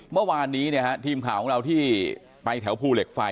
เมื่อวานนี้ทีมข่าวของเราที่ไปแถวภูเหล็กไฟ